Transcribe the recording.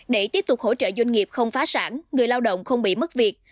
để tiếp tục hỗ trợ doanh nghiệp không phá sản người lao động không bị mất việc